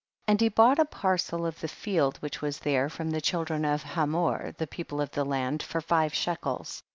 2. And he bought a parcel of the field which was there, from the child ren of Hamor the people of the land, for five shekels.